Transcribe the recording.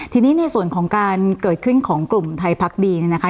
ทีนี้ในส่วนของการเกิดขึ้นของกลุ่มไทยพักดีเนี่ยนะคะ